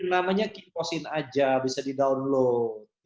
namanya kingkosin aja bisa di download